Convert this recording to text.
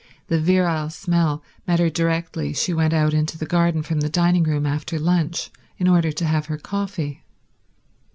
The virile smell met her directly she went out into the garden from the dining room after lunch in order to have her coffee.